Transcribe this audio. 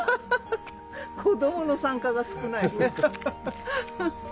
子どもの参加が少ない。